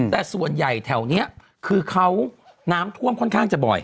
แต่ส่วนใหญ่แถวนี้คือเขาน้ำท่วมค่อนข้างจะบ่อย